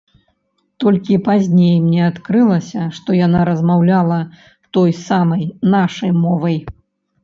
Толькі пазней мне адкрылася, што яна размаўляла той самай нашай мовай.